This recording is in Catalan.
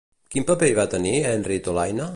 Quin paper hi va tenir Henri Tolaine?